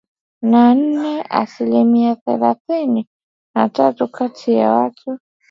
na nne asilimia thelathini na tatu kati ya watu